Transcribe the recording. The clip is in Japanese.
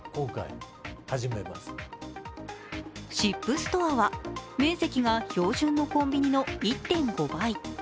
ＳＩＰストアは、面積が標準のコンビニの１．５倍。